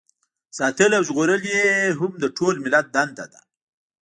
ساتل او ژغورل یې هم د ټول ملت دنده ده.